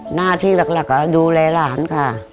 หน้าที่หลักก็ดูแลหลานค่ะ